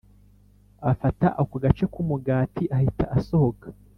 Afata ako gace k umugati ahita asohoka